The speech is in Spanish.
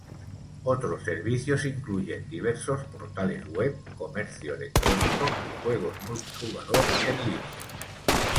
Otros servicios incluyen diversos portales web, comercio electrónico, y juegos multijugador en línea.